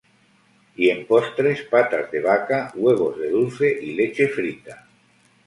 Y en postres, patas de vaca, huevos de dulce y leche frita.